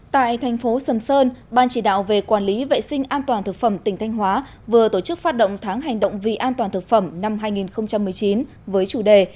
tại thành phố sầm sơn ban chỉ đạo về quản lý vệ sinh an toàn thực phẩm tỉnh thanh hóa vừa tổ chức phát động tháng hành động vì an toàn thực phẩm năm hai nghìn một mươi chín với chủ đề